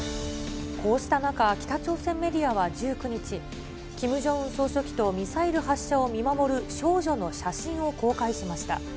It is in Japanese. こうした中、北朝鮮メディアは１９日、キム・ジョンウン総書記とミサイル発射を見守る少女の写真を公開しました。